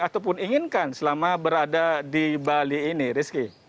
ataupun inginkan selama berada di bali ini rizky